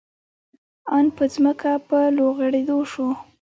آن په ځمکه په لوغړېدو شو.